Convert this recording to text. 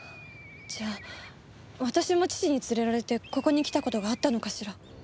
じゃあ私も父に連れられてここに来た事があったのかしら？